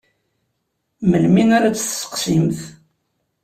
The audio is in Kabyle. Melmi ara tt-tesseqsim?